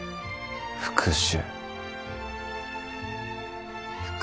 復讐。